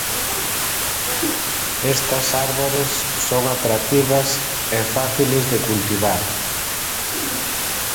Estos árboles son atractivos y fáciles de cultivar.